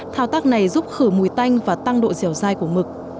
thao tác này giúp khử mùi tanh và tăng độ dẻo dai của mực